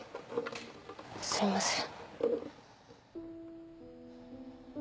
すいません。